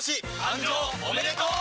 誕生おめでとう！